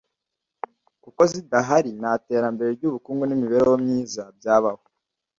kuko zidahari nta terembere ry’ubukungu n’imibereho myiza byabaho